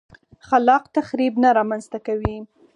خلاق تخریب نه رامنځته کوي.